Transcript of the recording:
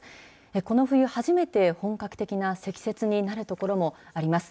この冬初めて、本格的な積雪になる所もあります。